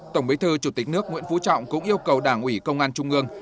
tổng bí thư chủ tịch nước nguyễn phú trọng cũng yêu cầu đảng ủy công an trung ương